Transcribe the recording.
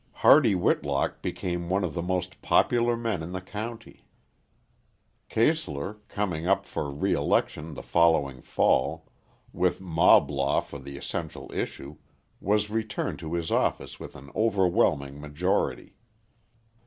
Hardy Whitlock became one of the most popular men in the county. Keeslar, coming up for reëlection the following fall, with mob law for the essential issue, was returned to his office with an overwhelming majority.